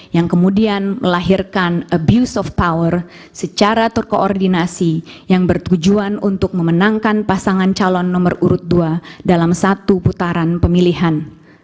yang kemudian melahirkan abuse of power secara terkoordinasi yang bertujuan untuk memenangkan pasangan calon nomor urut dua dalam satu putaran pemilihan